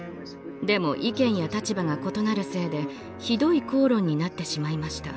でも意見や立場が異なるせいでひどい口論になってしまいました。